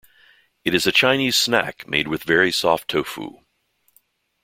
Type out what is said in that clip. It is a Chinese snack made with very soft tofu.